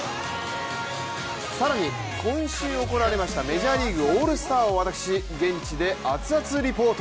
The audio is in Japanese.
更に今週行われましたメジャーリーグオールスターを私、現地でアツアツＲｅｐｏｒｔ。